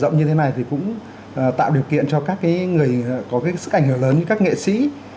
mở rộng như thế này thì cũng tạo điều kiện cho các cái người có cái sức ảnh hưởng lớn như các nghệ sĩ